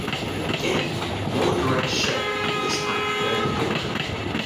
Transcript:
Again, Moe directs Shemp, this time to guard the door.